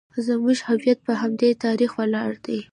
زموږ هویت په همدې تاریخ ولاړ دی